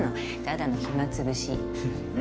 ただの暇つぶし。